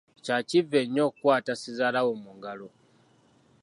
Kya kivve nnyo okukwata ssezaalwo mu ngalo.